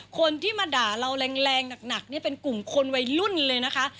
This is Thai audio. คนที่มาด่าเราแรงหนักนี่เป็นกลุ่มคนวัยรุ่นเลยนะคะ